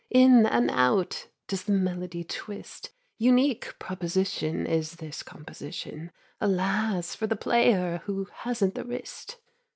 In and out does the melody twist Unique proposition Is this composition. (Alas! for the player who hasn't the wrist!)